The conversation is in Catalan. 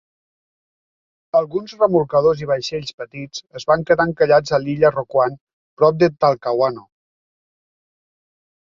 Alguns remolcadors i vaixells petits es van quedar encallats a l'illa Rocuant prop de Talcahuano.